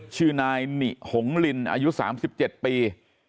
ชื่อนายนิหงลินอายุ๓๗ปี